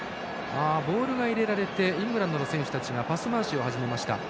ボールが入れられてイングランドの選手たちがパス回しを始めました。